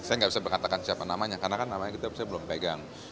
saya nggak bisa berkatakan siapa namanya karena kan namanya kita belum pegang